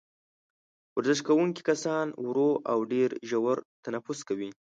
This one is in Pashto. ورزش کوونکي کسان ورو او ډېر ژور تنفس کوي.